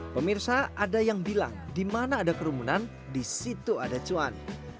pemirsa ada yang bilang di mana ada kerumunan di situ ada cuan